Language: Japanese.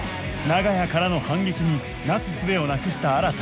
長屋からの反撃になすすべをなくした新